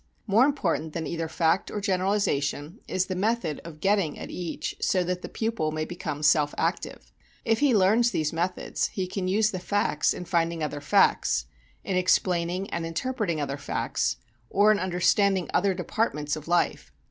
More important than either fact or generalization is the method of getting at each so that the pupil may become self active. If he learns these methods he can use the facts in finding other facts, in explaining and interpreting other facts, or in understanding other departments of life.